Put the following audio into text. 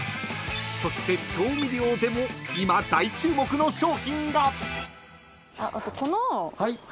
［そして調味料でも今大注目の商品が］